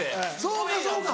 そうかそうか